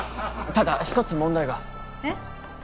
ただ一つ問題がえっ？